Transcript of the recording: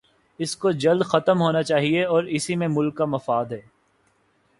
اس کو جلد ختم ہونا چاہیے اور اسی میں ملک کا مفاد ہے۔